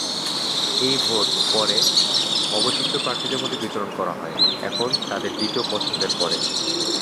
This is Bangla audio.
এই ভোট পরে অবশিষ্ট প্রার্থীদের মধ্যে বিতরণ করা হয়, এখন তাদের দ্বিতীয় পছন্দের পরে।